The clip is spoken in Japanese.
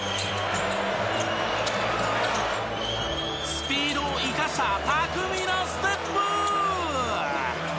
スピードを生かした巧みなステップ！